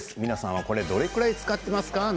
皆さん、これどれくらい使っていますか？